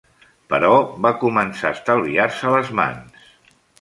Però va començar a estalviar-se les mans.